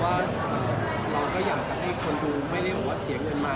เพราะว่าเราก็อยากจะให้คนดูไม่ได้เสียเงินมา